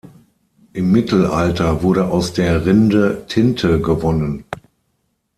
Im Mittelalter wurde aus der Rinde Tinte gewonnen.